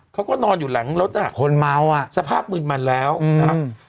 เขาก็นอนอยู่หลังรถอ่ะคนเมาอ่ะสภาพมืนมันแล้วนะครับ